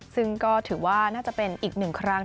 ซึ่งก็ถือว่าน่าจะเป็นอีกหนึ่งครั้ง